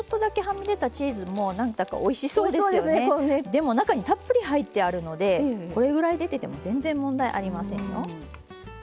でも中にたっぷり入ってあるのでこれぐらい出てても全然問題ありませんよ。